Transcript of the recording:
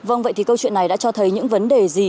vâng vậy thì câu chuyện này đã cho thấy những vấn đề gì